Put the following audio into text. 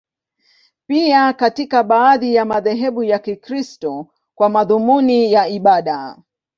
Pia katika baadhi ya madhehebu ya Kikristo, kwa madhumuni ya ibada.